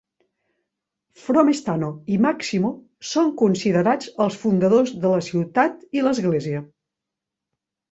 Fromestano i Maximo són considerats els fundadors de la ciutat i l'església.